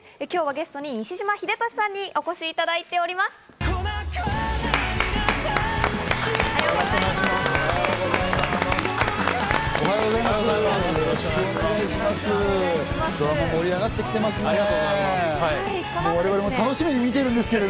今日はゲストに西島秀俊さんにお越しいただいております。